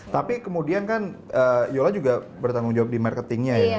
tapi kemudian kan yola juga bertanggung jawab di marketingnya ya